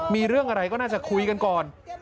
มีเรื่องอะไรก็น่าจะคุยกันก่อน